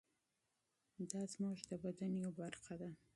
دا زموږ د بدن یوه برخه ده.